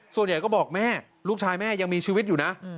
ส่วนใหญ่ก็บอกแม่ลูกชายแม่ยังมีชีวิตอยู่นะ